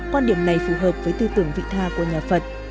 quan điểm này phù hợp với tư tưởng vị tha của nhà phật